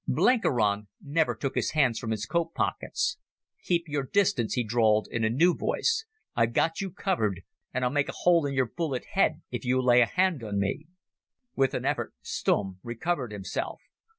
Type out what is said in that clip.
Blenkiron never took his hands from his coat pockets. "Keep your distance," he drawled in a new voice. "I've got you covered, and I'll make a hole in your bullet head if you lay a hand on me." With an effort Stumm recovered himself.